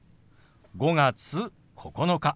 「５月９日」。